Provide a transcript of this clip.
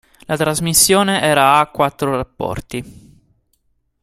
La trasmissione era a quattro rapporti.